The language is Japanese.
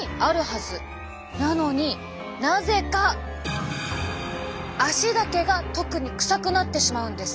なのになぜか足だけが特にくさくなってしまうんです。